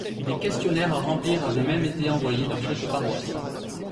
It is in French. Des questionnaires à remplir avaient même été envoyés dans chaque paroisse.